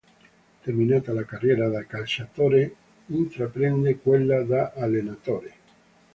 Terminata la carriera da calciatore intraprende quella da allenatore.